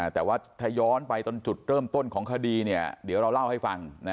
แต่ว่าถ้าย้อนไปตอนจุดเริ่มต้นของคดีเดี๋ยวเราเล่าให้ฟัง